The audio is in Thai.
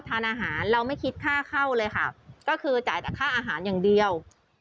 ทานอาหารเราไม่คิดค่าเข้าเลยค่ะก็คือจ่ายแต่ค่าอาหารอย่างเดียว